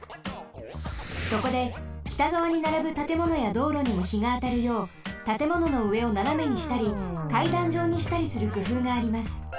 そこで北がわにならぶたてものやどうろにもひがあたるようたてもののうえをななめにしたりかいだんじょうにしたりするくふうがあります。